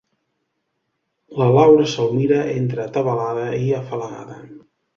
La Laura se'l mira, entre atabalada i afalagada.